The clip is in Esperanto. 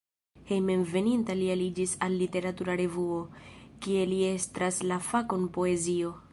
Hejmenveninta li aliĝis al literatura revuo, kie li estras la fakon poezio.